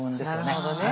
なるほどね。